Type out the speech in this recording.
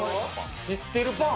知ってるパン？